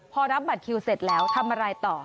พอรับบัตรคิวเสร็จแล้วทำอะไรต่อ